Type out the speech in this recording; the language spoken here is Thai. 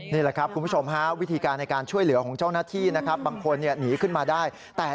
นี่แหละครับคุณผู้ชมฮะวิธีการในการช่วยเหลือของเจ้าหน้าที่นะครับบางคนหนีขึ้นมาได้แต่